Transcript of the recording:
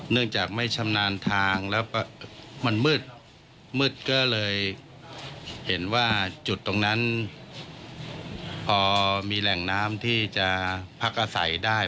เนื่องจากไม่ชำนาญทางแล้วมันมืดมืดก็เลยเห็นว่าจุดตรงนั้นพอมีแหล่งน้ำที่จะพักอาศัยได้